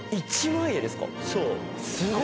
そう。